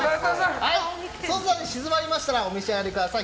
ソースが静まりましたらお召し上がりください。